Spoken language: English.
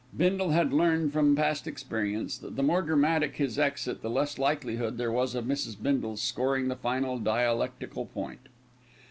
Bindle had learned from past experience that the more dramatic his exit the less likelihood there was of Mrs. Bindle scoring the final dialectical point.